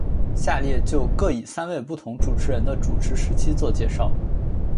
下列就各以三位不同主持人的主持时期做介绍。